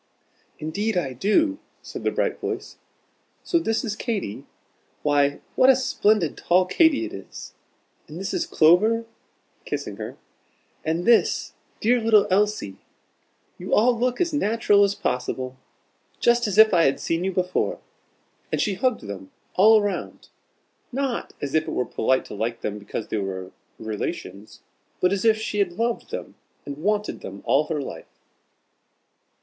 "Indeed I do," said the bright voice. "So this is Katy? Why, what a splendid tall Katy it is! And this is Clover," kissing her; "and this dear little Elsie. You all look as natural as possible just as if I had seen you before." And she hugged them all round, not as if it was polite to like them because they were relations, but as if she had loved them and wanted them all her life.